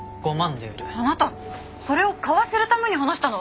あなたそれを買わせるために話したの？